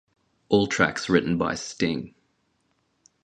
All tracks written by Sting.